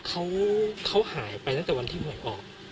เขาหายไปตั้งแต่วันที่หวยออก